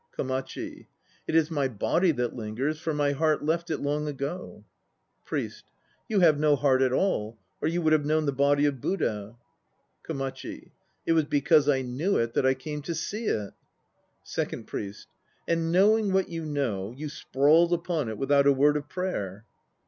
KOMACHI. It is my body that lingers, for my heart left it long ago. PRIEST. You have no heart at all, or you would have known the Body of iddha. LOMACHI. It was because I knew it that I came to see it! :OND PRIEST. And knowing what you know, you sprawled upon it without a word of prayer?